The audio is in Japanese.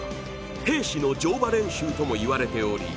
兵士の乗馬練習ともいわれており